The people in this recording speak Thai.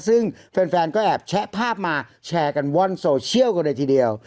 ซึ่งแฟนก็แอบแชะภาพมาแชร์กันว่อนโซเชียลกันเลยทีเดียว